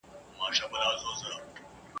پر جلا لارو مزلونه یې وهلي ..